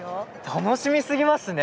楽しみすぎますね！